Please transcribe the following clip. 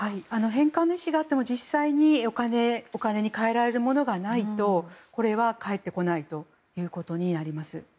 返還の意思があっても実際にお金に換えられるものがないとこれは返ってこないということになります。